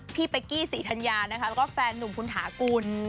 พี่เป็กกี้ศรีธรรยาแล้วก็แฟนหนุ่มคุณฐากุณ